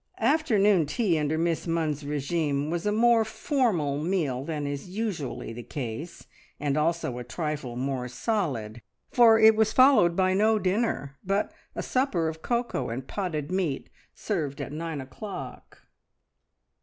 Afternoon tea under Miss Munns's regime was a more formal meal than is usually the case, and also a trifle more solid, for it was followed by no dinner, but a supper of cocoa and potted meat served at nine o'clock.